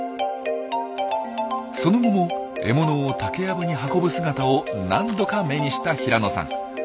その後も獲物を竹やぶに運ぶ姿を何度か目にした平野さん。